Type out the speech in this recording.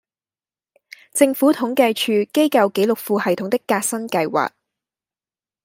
政府統計處機構記錄庫系統的革新計劃